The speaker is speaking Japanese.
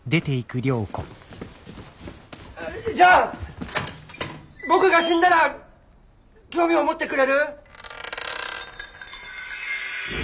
じゃあ僕が死んだら興味を持ってくれる？